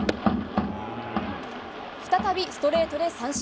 再びストレートで三振。